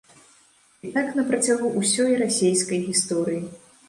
І так на працягу ўсёй расейскай гісторыі.